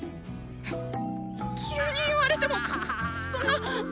急に言われてもそんな。